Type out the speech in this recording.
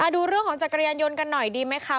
ดูเรื่องของจักรยานยนต์กันหน่อยดีไหมคะ